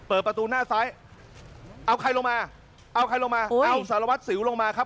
เอาใครลงมาเอาใครลงมาเอาสารวัตรสิวลงมาครับ